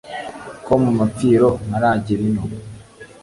Ko mu mapfiro ntaragera ino.